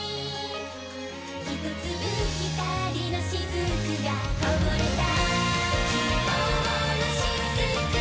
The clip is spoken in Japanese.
「一粒光の雫がこぼれた」